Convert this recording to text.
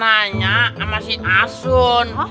tanya sama si asun